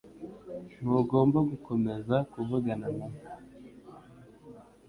Ntugomba gukomeza kuvugana nawe.